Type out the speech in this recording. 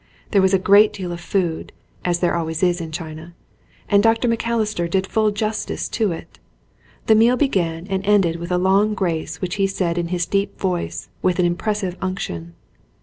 There was a great deal of food, as there always is in China, and Dr. Macalister did full justice to it. The meal began and ended with a long grace which he said in his deep voice, with an impressive unction.